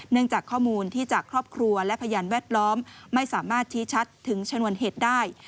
จากข้อมูลที่จากครอบครัวและพยานแวดล้อมไม่สามารถชี้ชัดถึงชนวนเหตุได้